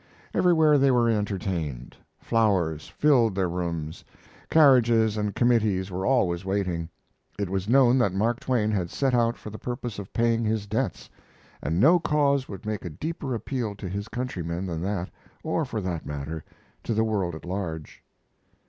Everywhere they were entertained; flowers filled their rooms; carriages and committees were always waiting. It was known that Mark Twain had set out for the purpose of paying his debts, and no cause would make a deeper appeal to his countrymen than that, or, for that matter, to the world at large.